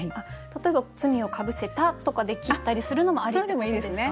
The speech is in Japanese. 例えば「罪をかぶせた」とかで切ったりするのもありってことですか？